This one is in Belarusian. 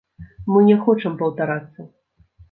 Мы не хочам паўтарацца.